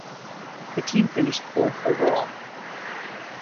The team finished fourth overall.